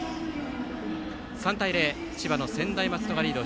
３対０、千葉の専大松戸がリード。